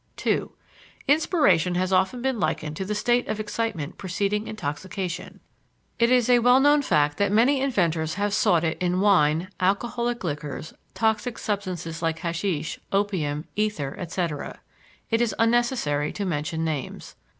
2. Inspiration has often been likened to the state of excitement preceding intoxication. It is a well known fact that many inventors have sought it in wine, alcoholic liquors, toxic substances like hashish, opium, ether, etc. It is unnecessary to mention names.